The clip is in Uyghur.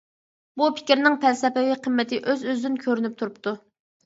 بۇ پىكىرنىڭ پەلسەپىۋى قىممىتى ئۆز-ئۆزىدىن كۆرۈنۈپ تۇرۇپتۇ.